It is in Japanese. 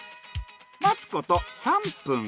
待つこと３分。